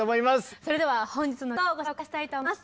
それでは本日のゲストをご紹介したいと思います。